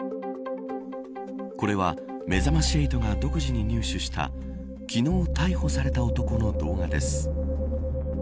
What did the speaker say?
これはめざまし８が独自に入手した昨日、逮捕された男の動画です。